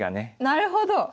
なるほど。